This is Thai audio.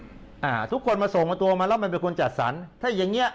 อ่าทุกคนมาส่งมาตัวมาแล้วมันเป็นคนจัดสรรถ้าอย่างเงี้